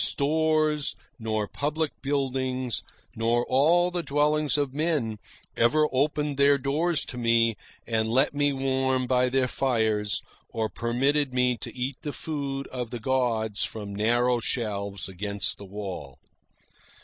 Stores, nor public buildings, nor all the dwellings of men ever opened their doors to me and let me warm by their fires or permitted me to eat the food of the gods from narrow shelves against the wall.